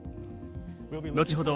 後ほど